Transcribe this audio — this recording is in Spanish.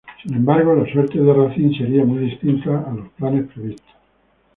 Sin embargo, la suerte de Racine será muy distinta a los planes previstos.